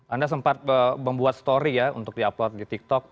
anda sempat membuat story ya untuk di upload di tiktok